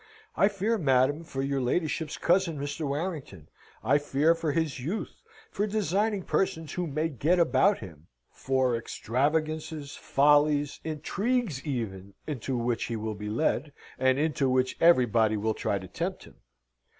"I fear, madam, for your ladyship's cousin, Mr. Warrington. I fear for his youth; for designing persons who may get about him; for extravagances, follies, intrigues even into which he will be led, and into which everybody will try to tempt him.